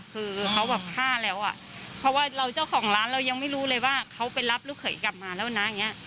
คือเขาแบบฆ่าแล้วอ่ะเพราะว่าเราเจ้าของร้านเรายังไม่รู้เลยว่าเขาไปรับลูกเขยกลับมาแล้วนะอย่างนี้